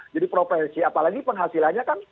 jadi profesi apalagi penghasilannya kan